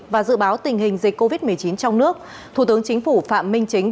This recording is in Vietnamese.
và dự báo tình hình dịch covid một mươi chín trong nước thủ tướng chính phủ phạm minh chính